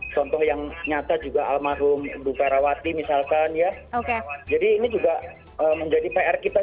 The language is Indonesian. contoh yang nyata juga almarhum ibu karawati misalkan ya oke jadi ini juga menjadi pr kita